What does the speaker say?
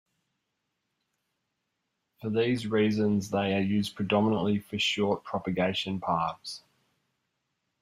For these reasons they are used predominantly for short propagation paths.